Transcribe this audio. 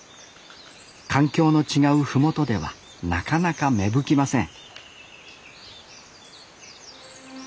環境の違う麓ではなかなか芽吹きません